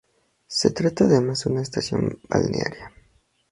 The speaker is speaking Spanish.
Se trata además de una estación balnearia.